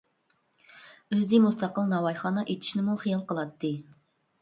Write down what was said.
ئۆزى مۇستەقىل ناۋايخانا ئېچىشنىمۇ خىيال قىلاتتى.